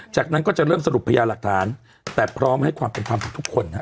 จากนั้นก็จะเริ่มสรุปพยาหลักฐานแต่พร้อมให้ความเป็นธรรมกับทุกคนฮะ